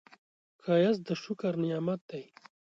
ښایست د شکر نعمت دی